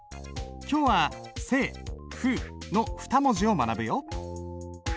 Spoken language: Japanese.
今日は「清」「風」の２文字を学ぶよ。